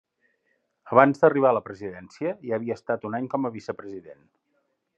Abans d'arribar a la presidència, ja havia estat un any com a vicepresident.